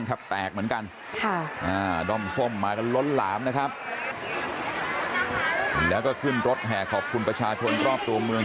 ก็มีอยู่ชาติภาคอีกคือชาติภาคที่เราจะไปต่อให้ฟื้นถึง